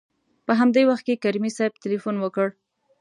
په همدې وخت کې کریمي صیب تلېفون وکړ.